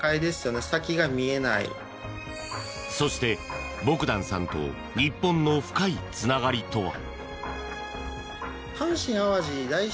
そして、ボグダンさんと日本の深いつながりとは。